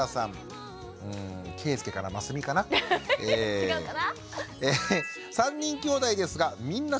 違うかな？